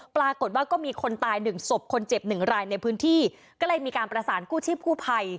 ปรากฏว่าก็มีคนตายหนึ่งศพคนเจ็บหนึ่งรายในพื้นที่ก็เลยมีการประสานกู้ชีพกู้ภัย